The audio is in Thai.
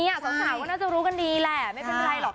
สาวสาวว่าน่าจะรู้กันดีแหละ